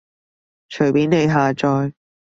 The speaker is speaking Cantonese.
隨便你下載